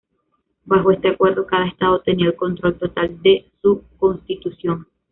Bajo este acuerdo, cada Estado tenía el control total de su constitución.